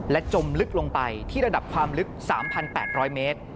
จมลึกลงไปที่ระดับความลึก๓๘๐๐เมตร